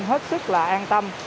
hết sức là an tâm